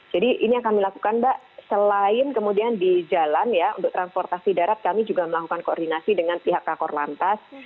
jadi ini yang kami lakukan mbak selain kemudian di jalan ya untuk transportasi darat kami juga melakukan koordinasi dengan pihak kakor lantas